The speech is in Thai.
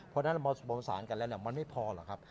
เพราะฉะนั้นเราประสานกันแล้วมันไม่พอหรอกครับ